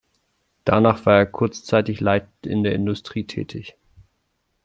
Danach war er kurzzeitig leitend in der Industrie tätig.